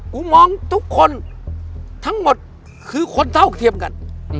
กูมองทุกคนทั้งหมดคือคนเท่าเทียมกัน